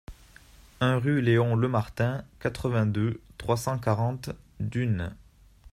un rue Léon Lemartin, quatre-vingt-deux, trois cent quarante, Dunes